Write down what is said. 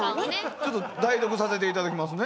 ちょっと代読させていただきますね。